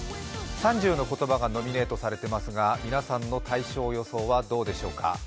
３０の言葉がノミネートされていますが皆さんの大賞予想はどうでしょうか。